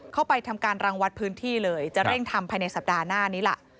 เข้าไปทำการรังวัดพื้นที่เลยจะเร่งทำภายในสัปดาห์หน้านี้ล่ะ